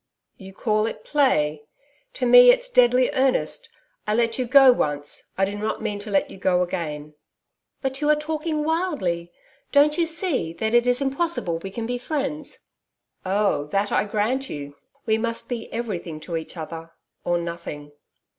'You call it play! To me it's deadly earnest. I let you go once. I do not mean to let you go again.' 'But you are talking wildly. Don't you see that it is impossible we can be friends.' 'Oh! that I grant you. We must be everything to each other or nothing.'